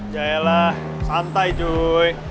jaya lah santai cuy